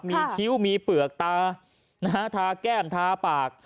มีคิ้วมีเปลือกตาทาแก้มทาปาก